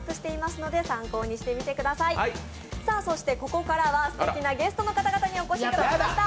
ここからは、すてきなゲストの方々にお越しいただきました。